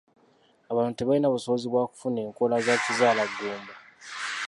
Abantu tebalina busobozi bwa kufuna enkola za kizaalaggumba.